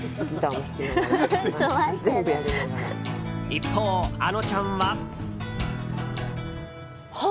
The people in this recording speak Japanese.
一方、あのちゃんは。